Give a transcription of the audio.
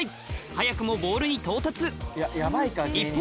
早くもボールに到達一方